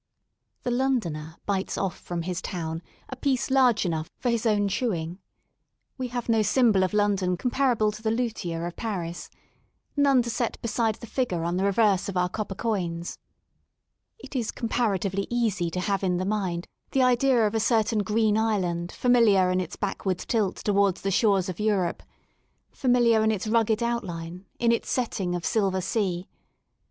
The Londoner bites off from his town a piece large enough for his own chewing, We have no symbol of London comparable to the Lutetia of Paris ; none to set beside the figure on the reverse of our copper coins» It is comparatively easy to have in the mind the idea of a certain green island familiar in its backward tilt towards the shores of Europe, familiar in its rugged 15 THE SOUL OF LONDON outline, in its setting of silver sea.